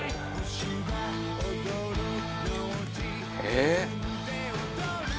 えっ？